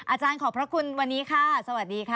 อาจารย์ขอบพระคุณวันนี้ค่ะสวัสดีค่ะ